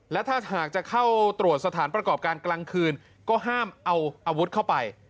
และถ้าหากจะเข้าตรวจสถานประกอบการกลางคืนก็ห้ามเอาอาวุธเข้าไป